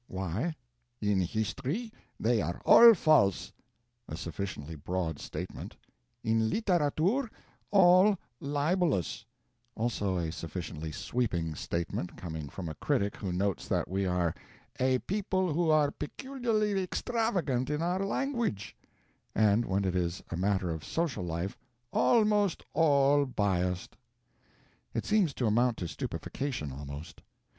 Why? "In history they are all false" a sufficiently broad statement "in literature all libelous" also a sufficiently sweeping statement, coming from a critic who notes that we are "a people who are peculiarly extravagant in our language " and when it is a matter of social life, "almost all biased." It seems to amount to stultification, almost.